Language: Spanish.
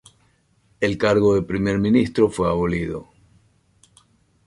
El cargo de Primer ministro fue abolido.